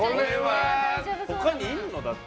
他にいるの？だって。